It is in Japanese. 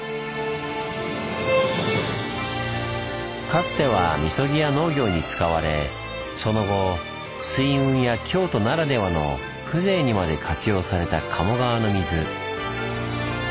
かつては禊や農業に使われその後水運や京都ならではの風情にまで活用された鴨川の水。